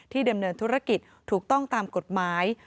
ดำเนินธุรกิจถูกต้องตามกฎหมาย